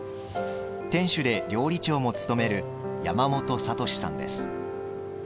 店主で、料理長も務める山本智史さんです。